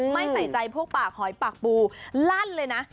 ไม่ใส่ใจพวกปากหอยปากปูลั่นเลยนะ